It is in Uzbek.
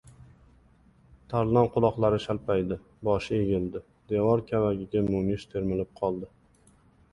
Tarlon quloqlari shalpaydi. Boshi egildi. Devor kavagiga munis termilib qoldi.